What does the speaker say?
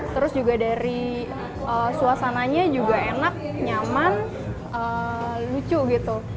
terus juga dari suasananya juga enak nyaman lucu gitu